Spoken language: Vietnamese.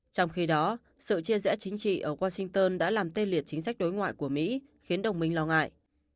trong khi đó sự chia rẽ chính trị ở washington đã làm tê liệt chính sách đối ngoại của mỹ khiến đồng minh lo ngại